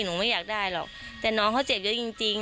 หนูไม่อยากได้หรอกแต่น้องเขาเจ็บเยอะจริงจริง